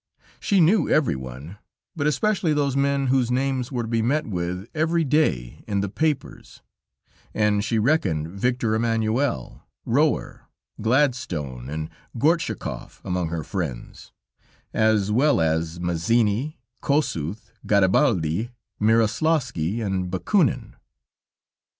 She knew every one, but especially those men whose names were to be met with every day, in the papers, and she reckoned Victor Emmanuel, Rouher, Gladstone, and Gortschakoff among her friends, as well as Mazzini, Kossuth, Garibaldi, Mieroslawsky and Bakunin.